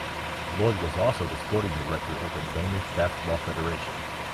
Loyd was also the sporting director of the Danish Basketball Federation.